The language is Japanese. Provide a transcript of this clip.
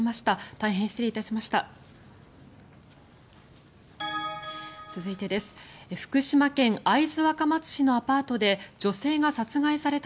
大変失礼いたしました。